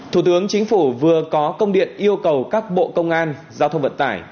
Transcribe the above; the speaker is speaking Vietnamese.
thủ tướng chính phủ vừa có công điện yêu cầu các bộ công an giao thông vận tải